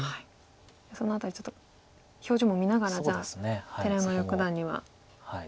その辺りちょっと表情も見ながらじゃあ寺山六段には。